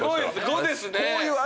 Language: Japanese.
５ですね。